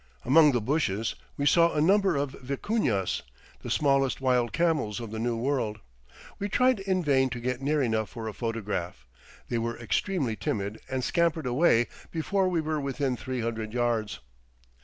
Among the bushes we saw a number of vicuñas, the smallest wild camels of the New World. We tried in vain to get near enough for a photograph. They were extremely timid and scampered away before we were within three hundred yards.